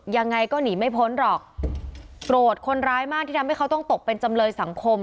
ยังไงก็หนีไม่พ้นหรอกโกรธคนร้ายมากที่ทำให้เขาต้องตกเป็นจำเลยสังคม